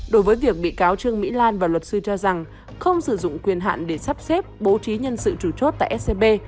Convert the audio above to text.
đối với việc bị cáo trương mỹ lan và luật sư cho rằng không sử dụng quyền hạn để sắp xếp bố trí nhân sự chủ chốt tại scb